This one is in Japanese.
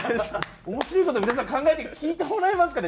「面白い事皆さん考えて聞いてもらえますか？」